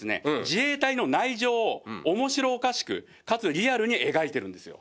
自衛隊の内情を面白おかしくかつリアルに描いてるんですよ。